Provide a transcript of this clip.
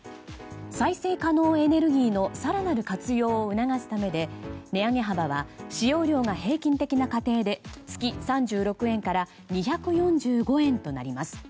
再生可能エネルギーの更なる活用を促すためで値上げ幅は使用量が平均的な家庭で月３６円から２４５円となります。